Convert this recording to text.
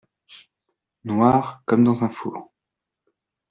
Noir comme dans un four.